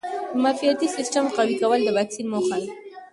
د معافیتي سیسټم قوي کول د واکسین موخه ده.